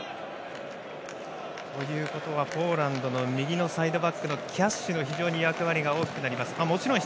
ということはポーランドの右のサイドバックのキャッシュの役割が大きくなります。